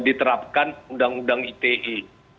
diterapkan undang undang ite